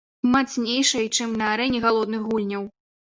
Мацнейшай, чым на арэне галодных гульняў.